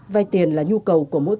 vay tiền là nhu cầu của người vay